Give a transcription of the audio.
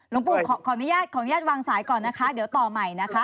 หลวงปู่ขออนุญาตขออนุญาตวางสายก่อนนะคะเดี๋ยวต่อใหม่นะคะ